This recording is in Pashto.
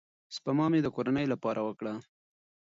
سپما مې د کورنۍ لپاره وکړه.